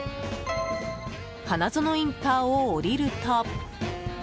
花園インターを降りると。